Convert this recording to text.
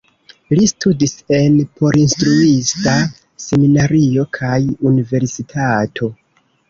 Li studis en porinstruista seminario kaj universitato.